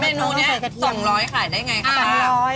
เมนูนี้๒๐๐ขายได้ไงคะป้า